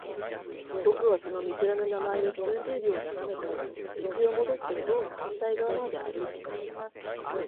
僕はその見知らぬ名前を数十秒眺めたあと、道を戻って棟の反対側まで歩いていく。